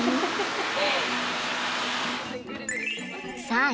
さあ